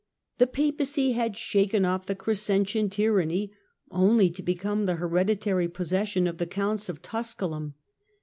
The Papacy had ^^p^iJ"^26, shaken off the Crescentian tyranny only to become the 1027 hereditary possession of the Counts of Tusculum.